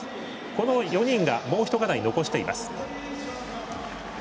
この４人がもう一課題、残しています。